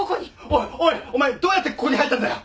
おいおいお前どうやってここに入ったんだよ！